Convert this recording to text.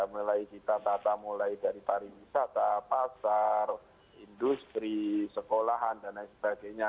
mulai kita tata mulai dari pariwisata pasar industri sekolahan dan lain sebagainya